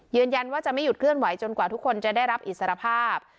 ยืนยันว่าจะไม่หยุดเคลื่อนไหวจนกว่าทุกคนจะได้รับอิสรภาพ